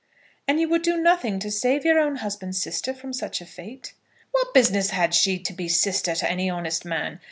"And you would do nothing to save your own husband's sister from such a fate?" "What business had she to be sister to any honest man?